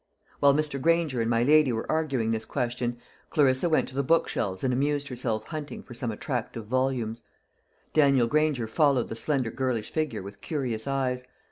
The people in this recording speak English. While Mr. Granger and my lady were arguing this question, Clarissa went to the bookshelves and amused herself hunting for some attractive volumes. Daniel Granger followed the slender girlish figure with curious eyes.